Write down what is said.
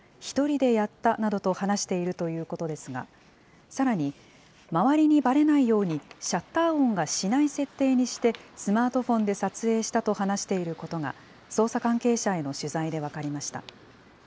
１人でやったなどと話しているということですが、さらに周りにばれないように、シャッター音がしない設定にして、スマートフォンで撮影したと話していることが、捜査関係者への取材で分かりました。